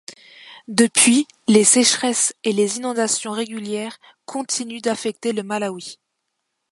Depuis, les sécheresses et les inondations régulières continuent d'affecter le Malawi.